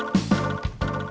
dia atau di underground